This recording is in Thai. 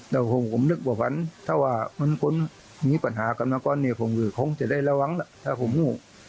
แต่ผมนึกว่าฝันถ้าว่ามันคนมีปัญหากันมาก่อนเนี่ยผมก็คงจะได้ระวังล่ะถ้าผมโง่